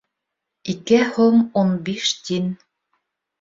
Ике һум ун биш тин